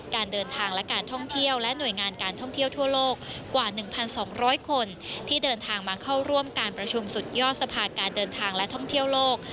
การเดินทางและการท่องเที่ยวและหน่วยงานการท่องเที่ยวทั่วโลกกว่า๑๒๐๐คนที่เดินทางมาเข้าร่วมการประชุมสุดยอดสภาการเดินทางและท่องเที่ยวโลก